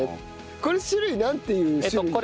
これ種類なんていう種類？